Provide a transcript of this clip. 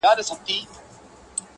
ځنګل د ونو ځای دی.